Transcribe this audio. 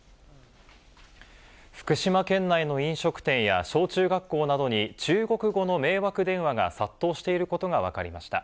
福島県内の飲食店や小中学校などに、中国語の迷惑電話が殺到していることが分かりました。